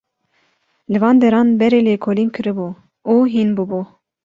Li van deran berê lêkolîn kiribû û hîn bûbû.